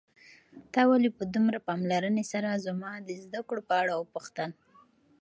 تا ولې په دومره پاملرنې سره زما د زده کړو په اړه وپوښتل؟